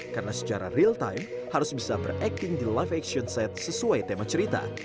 karena secara real time harus bisa berakting di live action set sesuai tema cerita